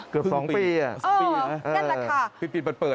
เกือบ๒ปี